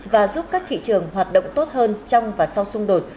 và giúp các thị trường hoạt động tốt hơn trong và sau xung đột